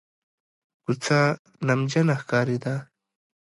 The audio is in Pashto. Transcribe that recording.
کوڅه نمجنه ښکارېده.